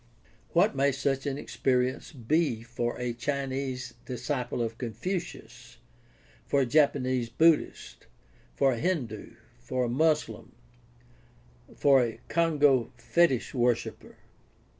What may such an experience be for a Chinese disciple of Confucius, for a Japanese Buddhist, for a Hindu, for a Moslem, for a Congo fetish worshiper?